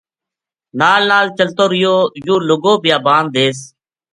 نال نال چلتو رہیو یوہ لُگو بیابان دیس